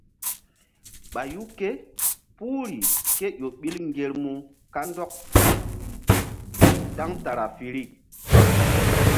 Ɓayu ké puhri ke ƴo ɓil ŋgermu kandɔk saɗ centrafirik.